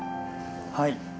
はい。